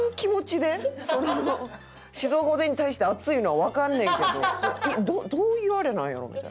静岡おでんに対して熱いのはわかんねんけどどういうあれなんやろう？みたいな。